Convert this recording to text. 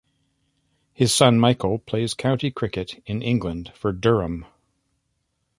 His son, Michael, plays county cricket in England for Durham.